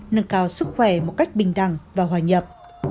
nâng cao sức khỏe một cách bình đẳng và hòa nhập